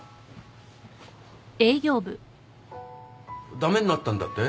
駄目になったんだって？